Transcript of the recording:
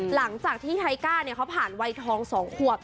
หลังจากที่ไทก้าเนี่ยเขาผ่านวัยทอง๒ขวบ